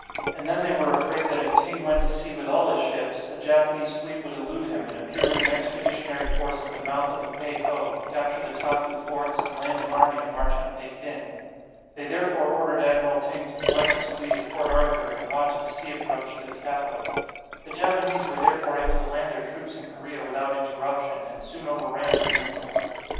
And then they were afraid that if Ting went to sea with all his ships, the Japanese fleet would elude him, and appear with an expeditionary force at the mouth of the Pei ho, capture the Taku forts, and land an army to march on Pekin. They therefore ordered Admiral Ting to collect his fleet at Port Arthur, and watch the sea approach to the capital. The Japanese were therefore able to land their troops in Korea without interruption, and soon overran the peninsula.